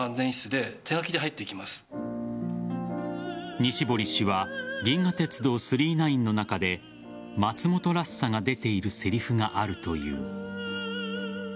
西堀氏は「銀河鉄道９９９」の中で松本らしさが出ているせりふがあるという。